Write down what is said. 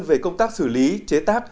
về công tác xử lý chế tác